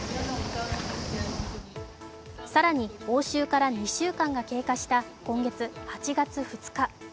更に、押収から２週間が経過した今月８月２日。